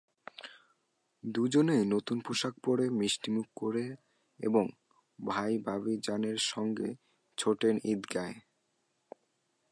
দুজনেই নতুন পোশাক পরে মিষ্টিমুখ করে এরপর ভাই-ভাতিজাদের সঙ্গে ছোটেন ঈদগাহে।